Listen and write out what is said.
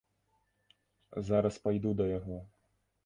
Зараз пайду да яго.